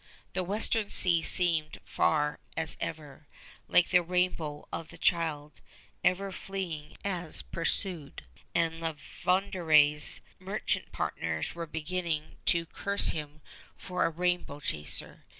The Western Sea seemed far as ever, like the rainbow of the child, ever fleeing as pursued, and La Vérendrye's merchant partners were beginning to curse him for a rainbow chaser.